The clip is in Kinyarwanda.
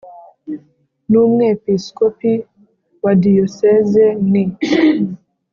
n Umwepiskopi wa Diyoseze ni